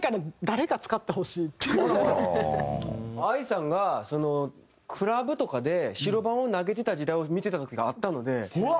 ＡＩさんがクラブとかで白盤を投げてた時代を見てた時があったので。